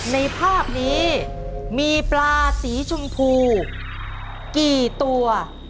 ในภาพนี้มีปลาสีชมพูกี่ตัว